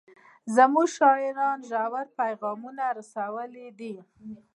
زموږ شاعرانو ژور پیغامونه رسولي دي.